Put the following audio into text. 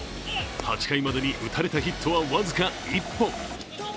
８回までに打たれたヒットは僅か１本。